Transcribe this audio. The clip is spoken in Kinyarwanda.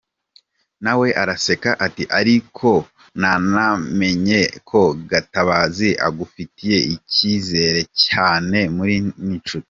Nawe araseka, ati ariko nanamenye ko Gatabazi agufitiye icyizere cyane muri n’inshuti.